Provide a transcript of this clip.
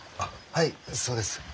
はいそうです。